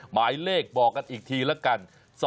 หมายเลขบอกกันอีกทีละกัน